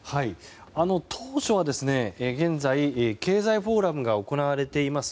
当初は現在経済フォーラムが行われています